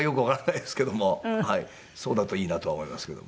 そうだといいなとは思いますけども。